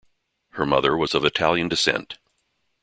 Her mother was of Italian descent.